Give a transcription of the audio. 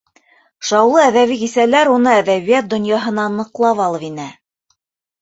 Шаулы әҙәби кисәләр уны әҙәбиәт донъяһына ныҡлап алып инә.